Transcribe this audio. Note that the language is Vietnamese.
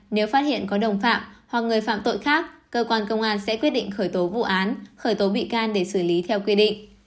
nếu phát hiện có đồng phạm hoặc người phạm tội khác cơ quan công an sẽ quyết định khởi tố vụ án khởi tố bị can để xử lý theo quy định